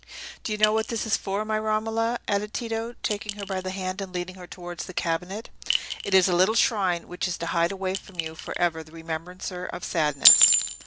"Do you know what this is for, my Romola?" added Tito, taking her by the hand, and leading her towards the cabinet. "It is a little shrine, which is to hide away from you for ever that remembrancer of sadness.